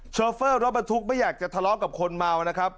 โฟเฟอร์รถบรรทุกไม่อยากจะทะเลาะกับคนเมานะครับ